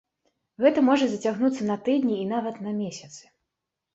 Гэта можа зацягнуцца на тыдні і нават на месяцы.